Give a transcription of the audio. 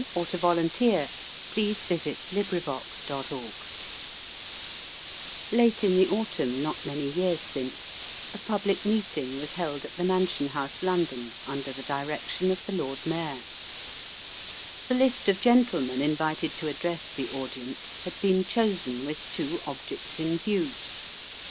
MR. LISMORE AND THE WIDOW BY WILKIE COLLINS Late in the autumn, not many years since, a public meeting was held at the Mansion House, London, under the direction of the Lord Mayor. The list of gentlemen invited to address the audience had been chosen with two objects in view.